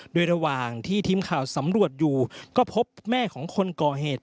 โดยระหว่างที่ทีมข่าวสำรวจอยู่ก็พบแม่ของคนก่อเหตุ